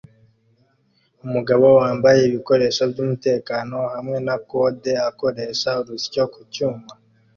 Umugabo wambaye ibikoresho byumutekano hamwe na kode akoresha urusyo ku cyuma